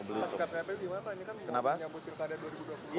kepelitung dimana pak ini kan kita menyambut spilkada dua ribu dua puluh